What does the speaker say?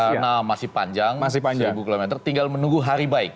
karena masih panjang seribu kilometer tinggal menunggu hari baik